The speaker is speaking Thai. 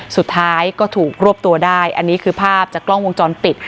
สุดท้ายก็ถูกรวบตัวได้อันนี้คือภาพจากกล้องวงจรปิด